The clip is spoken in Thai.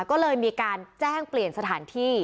ก็เลยมีการแจ้งเปลี่ยนสถานที่